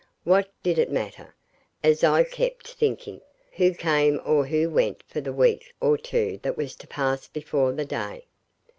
What did it matter, as I kept thinking, who came or who went for the week or two that was to pass before the day?